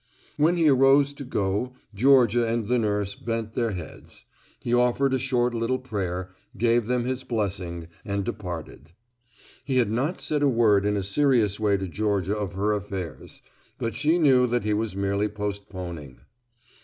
When he arose to go Georgia and the nurse bent their heads. He offered a short little prayer, gave them his blessing and departed. He had not said a word in a serious way to Georgia of her affairs. But she knew that he was merely postponing.